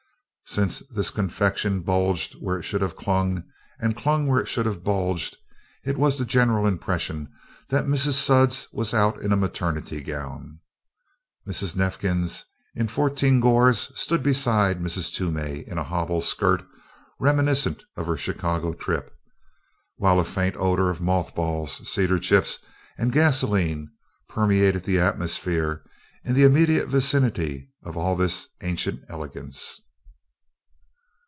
Since this confection bulged where it should have clung and clung where it should have bulged, it was the general impression that Mrs. Sudds was out in a maternity gown. Mrs. Neifkins in fourteen gores stood beside Mrs. Toomey in a hobble skirt reminiscent of her Chicago trip, while a faint odor of moth balls, cedar chips and gasolene permeated the atmosphere in the immediate vicinity of all this ancient elegance.